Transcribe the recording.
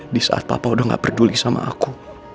di saat papa udah gak peduli sama aku